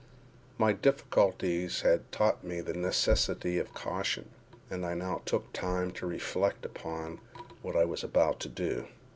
My difficulties had taught me the necessity of caution, and I now took time to reflect upon what I was about to do.